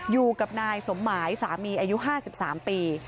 อยู่กับนายสมหมายสามีอายุ๕๓ปี